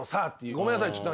ごめんなさいちょっと。